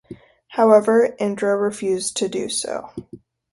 However Indra refused to do so.